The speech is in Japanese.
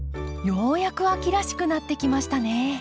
ようやく秋らしくなってきましたね。